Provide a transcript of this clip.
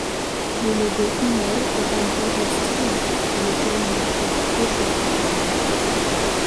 Le logo Hummel est un bourdon stylisé sur lequel l'on trouve deux chevrons.